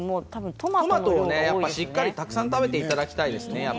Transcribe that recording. トマトをたくさん食べていただきたいですね。